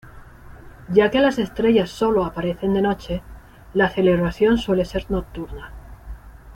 Ya que las estrellas sólo aparecen de noche, la celebración suele ser nocturna.